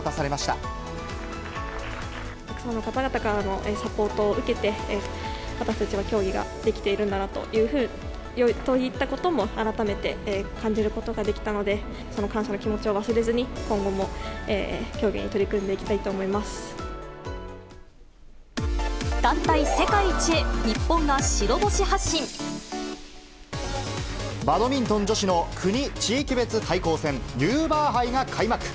たくさんの方々からのサポートを受けて、私たちは競技ができているんだなといったことも改めて感じることができたので、その感謝の気持ちを忘れずに、今後も競技に取り組団体世界一へ、日本が白星発バドミントン女子の国・地域別対抗戦、ユーバー杯が開幕。